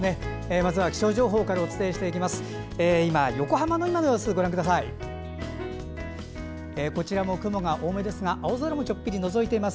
まずは気象情報からお伝えします。